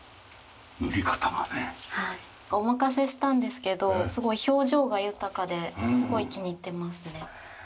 お任せしたんですけどすごい表情が豊かですごい気に入っていますね。